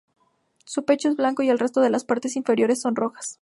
Su pecho es blanco y el resto de las partes inferiores son rojas.